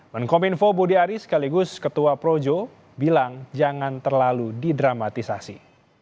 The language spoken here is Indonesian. menkom info budi aris sekaligus ketua projo bilang jangan terlalu didramatisasi